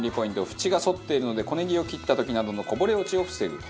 フチが反っているので小ネギを切った時などのこぼれ落ちを防ぐと。